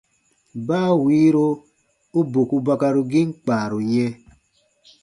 Baa wiiro u boku bakarugiin kpaaru yɛ̃.